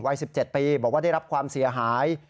วัย๑๗ปีบอกว่าได้รับความเสียหาย